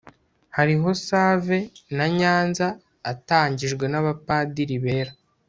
hariho save na nyanza atangijwe n'abapadiri bera